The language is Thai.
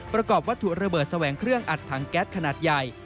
ประกอบวัตถุระเบิดแสวงเครื่องอัดถังแก๊สขนาดใหญ่